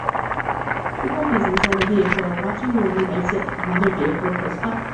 Two puppies inside a vehicle are watching a woman exit another vehicle close by.